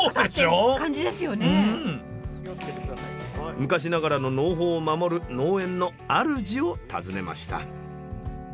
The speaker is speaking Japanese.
スタジオ昔ながらの農法を守る農園のあるじを訪ねました。